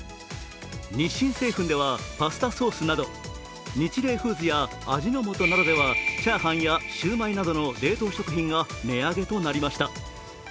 日清製粉ではパスタソースなどニチレイフーズや味の素などではチャーハンやシュウマイなどの冷凍食品が値上げとなりました。